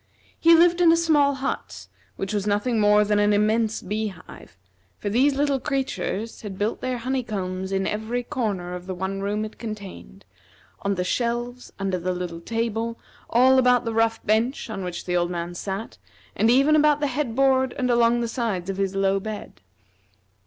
He lived in a small hut, which was nothing more than an immense bee hive, for these little creatures had built their honeycombs in every corner of the one room it contained, on the shelves, under the little table, all about the rough bench on which the old man sat, and even about the head board and along the sides of his low bed.